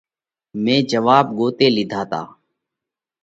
مئين جواٻ ڳوتي لِيڌا تا۔